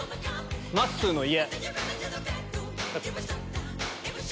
まっすーの家。